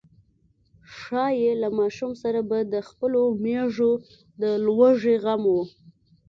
ښايي له ماشوم سره به د خپلو مېږو د لوږې غم و.